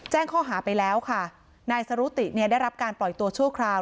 แจ้งข้อหาไปแล้วค่ะนายสรุติเนี่ยได้รับการปล่อยตัวชั่วคราว